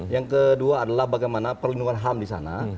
yang kedua adalah bagaimana perlindungan ham di sana